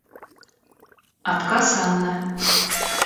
Отказ Анны.